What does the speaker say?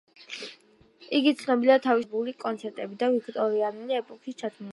იგი ცნობილია თავისი თეატრალიზებული კონცერტებით და ვიქტორიანული ეპოქის ჩაცმულობით.